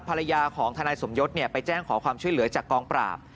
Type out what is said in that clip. ภรรยาของทนายสมยศไปแจ้งขอความช่วยเหลือจากกองปราบ